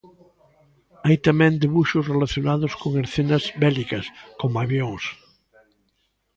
Hai tamén debuxos relacionados con escenas bélicas, como avións.